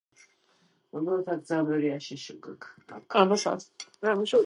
თუმცა, მსგავსი დამოკიდებულება მას ბევრი სხვა სიმღერის მიმართ ჰქონდა.